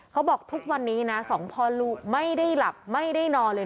เขาบอกทุกวันนี้นะสองพ่อลูกไม่ได้หลับไม่ได้นอนเลย